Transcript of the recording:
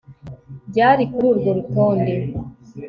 Byari kuri urwo rutonde